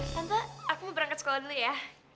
tante aku mau berangkat sekolah dulu ya